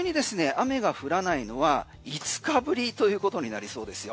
雨が降らないのは５日ぶりということになりそうです。